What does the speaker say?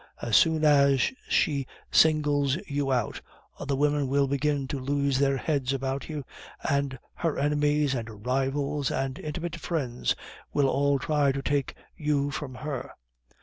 As soon as she singles you out, other women will begin to lose their heads about you, and her enemies and rivals and intimate friends will all try to take you from her.